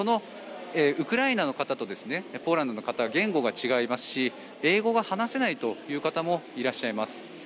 ウクライナの方とポーランドの方は言語が違いますし英語が話せないという方もいらっしゃいます。